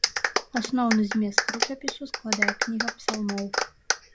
Асноўны змест рукапісу складае кніга псалмоў.